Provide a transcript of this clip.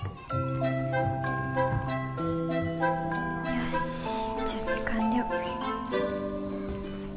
よし準備完了。